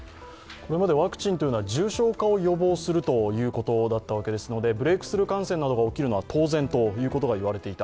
これまでワクチンというのは重症化を予防するということだったわけですので、ブレークスルー感染などが起きることは当然といわれていた。